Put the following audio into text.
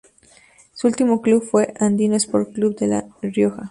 Su último club fue Andino Sport Club de la La Rioja.